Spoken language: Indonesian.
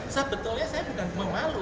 sebetulnya saya bukan memalu